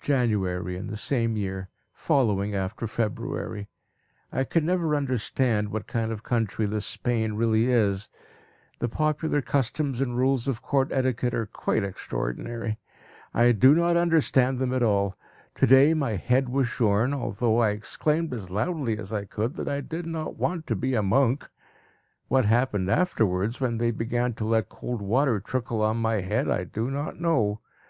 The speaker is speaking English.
January in the same year, following after February. I can never understand what kind of a country this Spain really is. The popular customs and rules of court etiquette are quite extraordinary. I do not understand them at all, at all. To day my head was shorn, although I exclaimed as loudly as I could, that I did not want to be a monk. What happened afterwards, when they began to let cold water trickle on my head, I do not know.